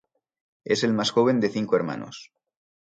Es el más joven de cinco hermanos.